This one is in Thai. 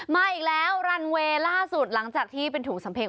มาอีกแล้วรันเวย์ล่าสุดหลังจากที่เป็นถุงสำเพ็ง